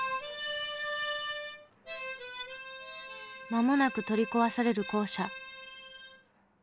間もなく取り壊される校舎。